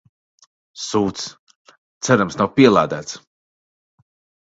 Sūds, cerams nav pielādēts.